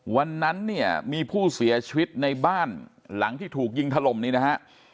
วันนั้นเนี่ยมีผู้เสียชีวิตในบ้านหลังที่ถูกยิงถล่มนี้นะฮะ